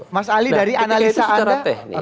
mas ali dari analisa anda